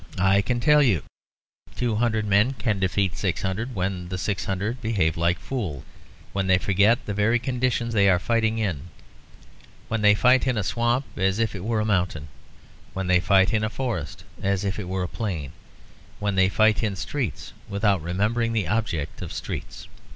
I can tell you. Two hundred men can defeat six hundred when the six hundred behave like fools. When they forget the very conditions they are fighting in; when they fight in a swamp as if it were a mountain; when they fight in a forest as if it were a plain; when they fight in streets without remembering the object of streets."